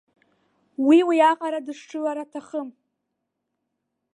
Уи уи аҟара дышшылара аҭахым.